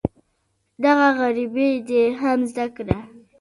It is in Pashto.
دغه ده عربي دې هم زده کړه.